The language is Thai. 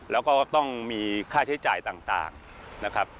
แล้วก็ต้องมีค่าใช้จ่ายต่างนะครับ